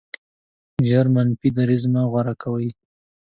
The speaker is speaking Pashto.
ژر منفي دریځ مه غوره کوئ.